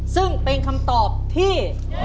ซึ่งเป็นคำตอบที่